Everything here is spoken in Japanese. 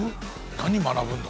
何学ぶんだ？